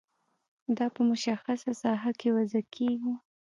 دا په مشخصه ساحه کې وضع کیږي.